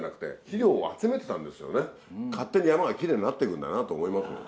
勝手に山がキレイになっていくんだなって思いますもん。